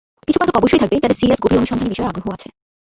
কিছু পাঠক অবশ্যই থাকবে, যাদের সিরিয়াস, গভীর অনুসন্ধানী বিষয়ে আগ্রহ আছে।